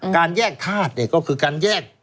การแยกธาตุก็คือการแยก